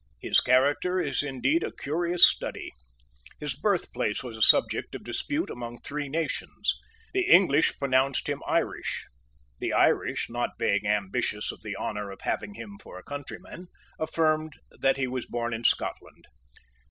His character is indeed a curious study. His birthplace was a subject of dispute among three nations. The English pronounced him Irish. The Irish, not being ambitious of the honour of having him for a countryman, affirmed that he was born in Scotland.